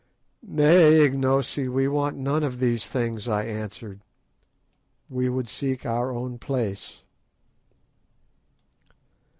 "Nay, Ignosi, we want none of these things," I answered; "we would seek our own place."